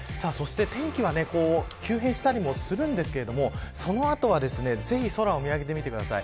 天気は急変したりもするんですがその後は、ぜひ空を見上げてみてください。